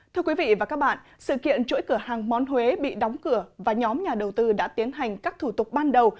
thưa quý vị và các bạn sự kiện chuỗi cửa hàng món huế bị đóng cửa và nhóm nhà đầu tư đã tiến hành các thủ tục ban đầu